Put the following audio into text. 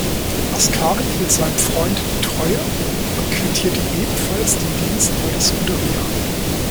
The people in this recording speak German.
Ascari hielt seinem Freund die Treue und quittierte ebenfalls den Dienst bei der Scuderia.